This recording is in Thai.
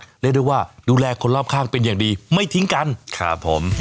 เรียกได้ว่าดูแลคนรอบข้างเป็นอย่างดีไม่ทิ้งกันครับผม